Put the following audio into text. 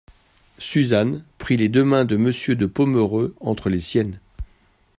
Suzanne prit les deux mains de Monsieur de Pomereux entre les siennes.